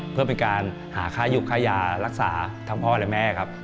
เพื่อเป็นการหาค่ายุบค่ายารักษาทั้งพ่อและแม่ครับ